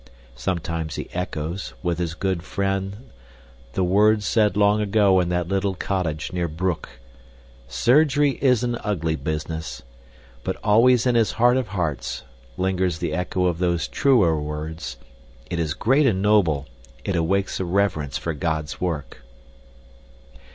Sometimes he echoes, with his good friend, the words said long ago in that little cottage near Broek: "Surgery is an ugly business," but always in his heart of hearts lingers the echo of those truer words: "It is great and noble! It awakes a reverence for God's work!"